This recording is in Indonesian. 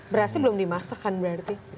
berasnya belum dimasak kan berarti